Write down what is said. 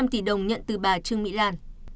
hai tám trăm linh tỷ đồng nhận từ bà trương mỹ lan